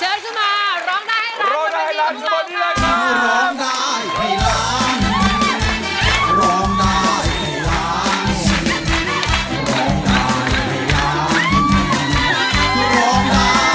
รอบดายพี่ร้าน